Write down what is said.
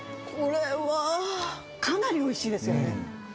これはかなりおいしいですよね。